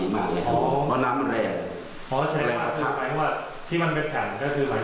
มันหลุดเป็นแผ่นแป้งหมดเพราะสาดั่งพูดถูกเลย